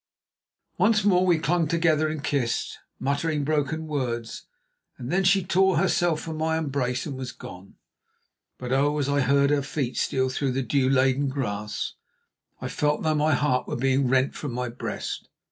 Once more we clung together and kissed, muttering broken words, and then she tore herself from my embrace and was gone. But oh! as I heard her feet steal through the dew laden grass, I felt as though my heart were being rent from my breast.